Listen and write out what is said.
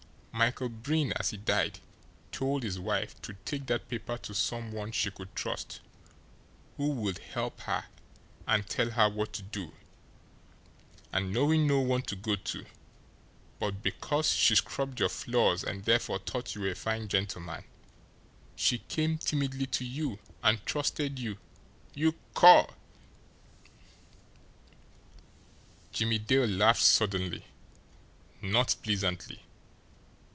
Michael Breen, as he died, told his wife to take that paper to some one she could trust, who would help her and tell her what to do; and, knowing no one to go to, but because she scrubbed your floors and therefore thought you were a fine gentleman, she came timidly to you, and trusted you you cur!" Jimmie Dale laughed suddenly not pleasantly.